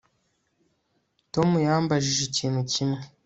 Tom yambajije ikintu kimwe